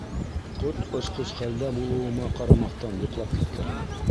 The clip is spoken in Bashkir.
Ҡот осҡос хәлдә булыуыма ҡарамаҫтан, йоҡлап киткәнмен.